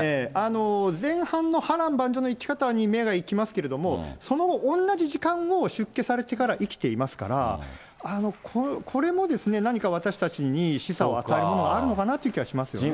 前半の波乱万丈の生き方に目がいきますけれども、その同じ時間を出家されてから生きていますから、これもですね、何か私たちに示唆を与えるものがあるのかなと思いますね。